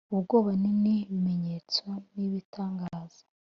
ubwoba n n ibimenyetso n ibitangaza